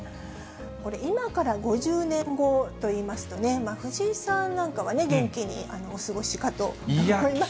これ、今から５０年後といいますとね、藤井さんなんかは元気にお過ごしかと思いますが。